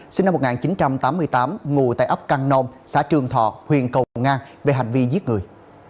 sinh năm một nghìn chín trăm tám mươi tám ngủ tại ấp căng nôm xã trường thọ huyện cầu ngang về hành vi giết người